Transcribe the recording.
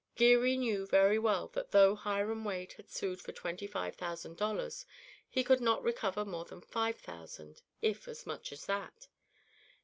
Geary knew very well that though Hiram Wade had sued for twenty five thousand dollars he could not recover more than five thousand, if as much as that.